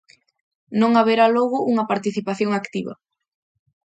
Non haberá logo unha participación activa.